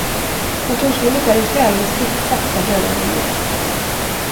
Kontorslivet är ett vällustigt, sakta dödande gift.